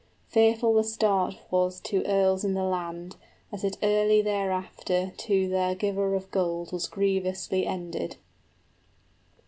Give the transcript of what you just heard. Fearful the start was To earls in the land, as it early thereafter To their giver of gold was grievously ended.